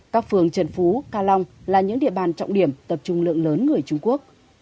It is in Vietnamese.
các phường trần phú ca long là những địa bàn trọng điểm tập trung lượng lớn người trung quốc